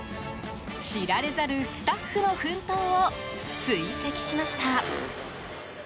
知られざるスタッフの奮闘を追跡しました。